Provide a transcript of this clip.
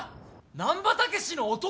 難破猛の弟！？